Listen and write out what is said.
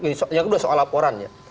ini soal laporannya